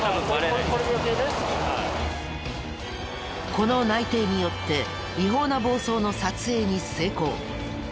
この内偵によって違法な暴走の撮影に成功。